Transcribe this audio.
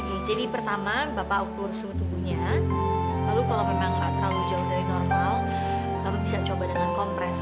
oke jadi pertama bapak ukur suhu tubuhnya lalu kalau memang nggak terlalu jauh dari normal bapak bisa coba dengan kompres